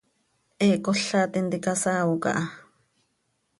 He cola tintica saao caha.